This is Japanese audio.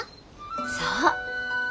そう！